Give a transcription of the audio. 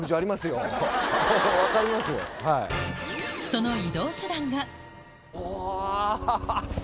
その移動手段が。